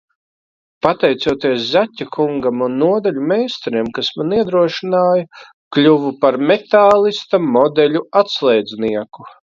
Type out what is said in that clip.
"Pateicoties Zaķa kungam un nodaļu meistaram, kas mani iedrošināja kļuvu par "Metālista" modeļu atslēdznieku."